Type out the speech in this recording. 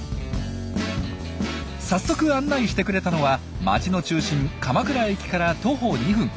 さっそく案内してくれたのは街の中心鎌倉駅から徒歩２分。